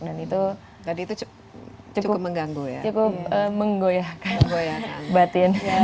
dan itu cukup menggoyahkan batin